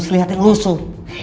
selih hati ngelusur